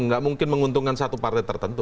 nggak mungkin menguntungkan satu partai tertentu